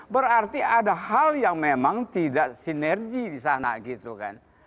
berarti ada hal yang memang tidak sinergi di sana gitu kan